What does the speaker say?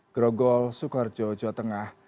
grogol sukarjo jawa tengah